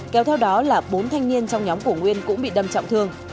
kéo theo đó là bốn thanh niên trong nhóm của nguyên cũng bị đâm trọng thương